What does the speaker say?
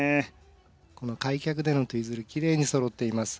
開脚でのツイズルきれいにそろっています。